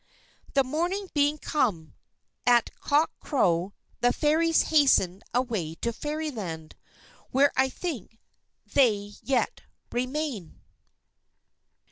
The morning being come, at cock crow the Fairies hastened away to Fairyland, where I think they yet remain.